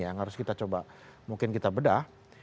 yang harus kita coba mungkin kita bedah